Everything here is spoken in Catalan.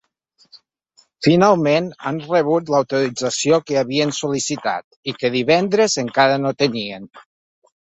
Finalment han rebut l’autorització que havien sol·licitat i que divendres encara no tenien.